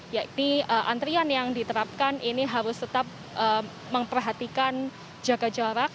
yakni antrian yang diterapkan ini harus tetap memperhatikan jaga jarak